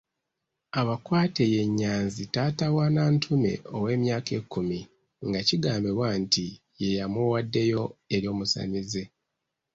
Abakwate ye; Nyanzi taata wa Nantume ow’emyaka ekkumi nga kigambibwa nti ye yamuwaddeyo eri omusamize.